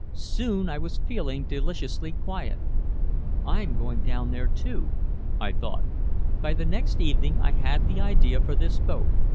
Soon I was feeling deliciously quiet. 'I'm going down there too,' I thought. "By the next evening I had the idea for this boat.